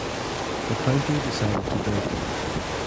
The county decided to build one.